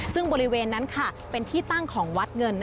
ซึ่งบริเวณนั้นเป็นที่ตั้งของวัดเงิน